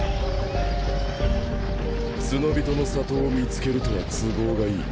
ツノビトの里を見つけるとは都合がいい。